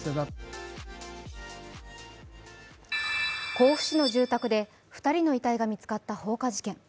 甲府市の住宅で２人の遺体が見つかった放火事件。